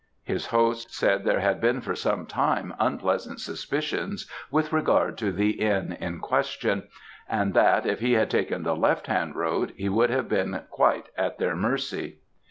His host said there had been for some time unpleasant suspicions with regard to the inn in question; and that, if he had taken the left hand road, he would have been quite at their mercy."